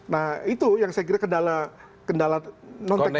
nah itu yang saya kira kendala non teknis